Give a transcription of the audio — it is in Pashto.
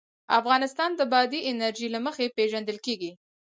افغانستان د بادي انرژي له مخې پېژندل کېږي.